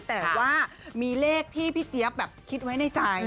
แต่ว่ามีเลขที่พี่เจี๊ยบแบบคิดไว้ในใจ